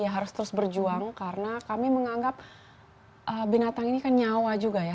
harus terus berjuang karena kami menganggap binatang ini kan nyawa juga ya